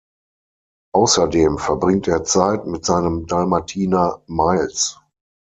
Außerdem verbringt er Zeit mit seinem Dalmatiner Miles.